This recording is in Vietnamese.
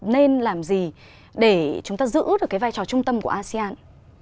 nên làm gì để chúng ta giữ được cái vai trò trung tâm của asean